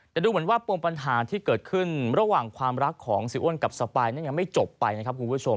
แต่ดูเหมือนว่าปมปัญหาที่เกิดขึ้นระหว่างความรักของเสียอ้วนกับสปายนั้นยังไม่จบไปนะครับคุณผู้ชม